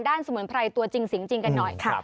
ด้านสมุนไพรตัวจริงจริงกันหน่อยค่ะ